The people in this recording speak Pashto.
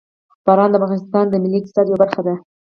باران د افغانستان د ملي اقتصاد یوه برخه ده.